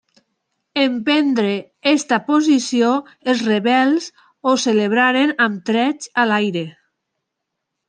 En prendre aquesta posició els rebels ho celebraren amb trets a l'aire.